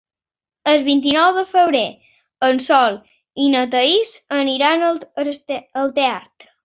El vint-i-nou de febrer en Sol i na Thaís aniran al teatre.